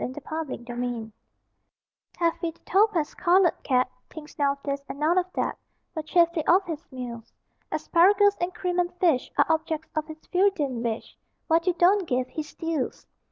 IN HONOR OF TAFFY TOPAZ Taffy, the topaz colored cat, Thinks now of this and now of that, But chiefly of his meals. Asparagus, and cream, and fish, Are objects of his Freudian wish; What you don't give, he steals.